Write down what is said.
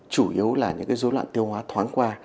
chủ yếu là những dối loạn tiêu hóa thoáng qua